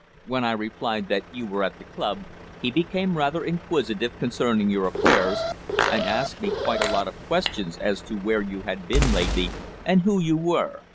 When I replied that you were at the club, he became rather inquisitive concerning your affairs, and asked me quite a lot of questions as to where you had been lately, and who you were.